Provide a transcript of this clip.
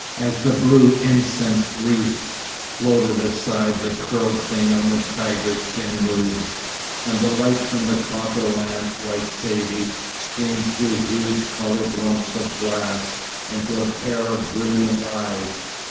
As the blue incense wreaths floated aside the curled thing on the tiger skin moved, and the light from a copper lamp like Saidee's, streamed through huge coloured lumps of glass, into a pair of brilliant eyes.